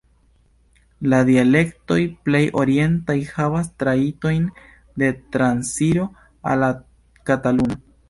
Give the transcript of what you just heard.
La dialektoj plej orientaj havas trajtojn de transiro al la kataluna.